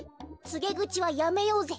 つげぐちはやめようぜ。